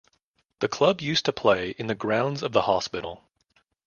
The club used to play in the grounds of the hospital.